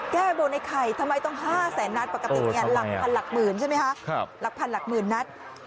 แก้โบนไอ้ไข่ทำไมต้อง๕แสนนัทปกติแบบนี้หลักพันหลักหมื่นนัท